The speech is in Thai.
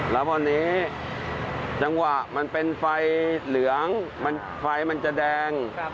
แล้วพอนี้จังหวะมันเป็นไฟเหลืองไฟมันจะแดง